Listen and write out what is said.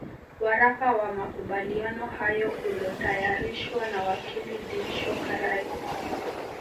Waraka wa makubaliano hayo ulotayarishwa na Wakili Dinshaw Karai